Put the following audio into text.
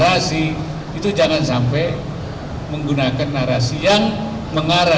untuk tidak melakukan hal hal yang berbeda